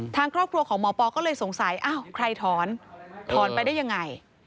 ทางครอบครัวของหมอปอก็เลยสงสัยอ้าวใครถอนถอนไปได้ยังไง